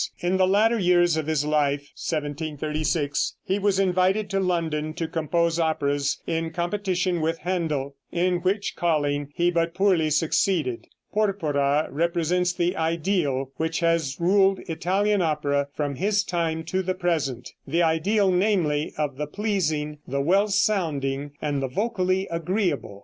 In the latter years of his life (1736) he was invited to London to compose operas in competition with Händel, in which calling he but poorly succeeded. Porpora represents the ideal which has ruled Italian opera from his time to the present, the ideal, namely, of the pleasing, the well sounding, and the vocally agreeable.